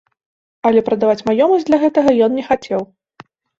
Але прадаваць маёмасць для гэтага ён не хацеў.